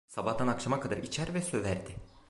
Sabahtan akşama kadar içer ve söverdi.